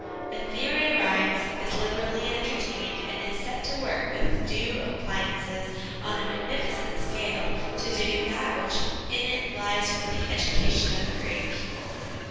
A theory arrives, is liberally entertained, and is set to work with due appliances on a magnificent scale to do that which in it lies for the education of a great people.